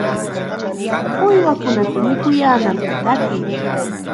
¡Uywakunata mikuyaananpaq qatiy!